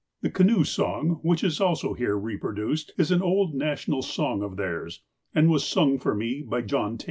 The canoe song, which is also here reproduced, is an old national song of theirs, and was sung for me by John Tait.